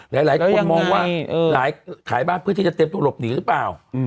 หลายคนมองว่าขายบ้านเพื่อที่จะเตรียมตัวหลบหนีหรือเปล่า